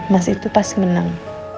mas itu pasti menang